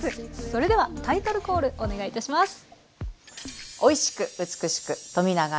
それではタイトルコールお願いいたします。